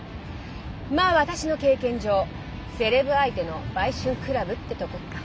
まあ私の経験上セレブ相手の売春クラブってとこか。